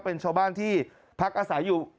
เป็นชาวบ้านที่พักอาศัยอยู่